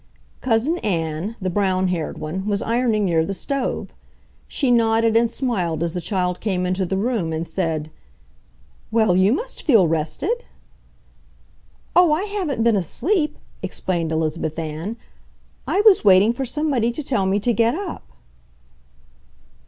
Cousin Ann, the brown haired one, was ironing near the stove. She nodded and smiled as the child came into the room, and said, "Well, you must feel rested!" "Oh, I haven't been asleep!" explained Elizabeth Ann. "I was waiting for somebody to tell me to get up."